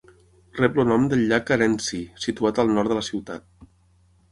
Rep el nom del llac Arendsee, situat al nord de la ciutat.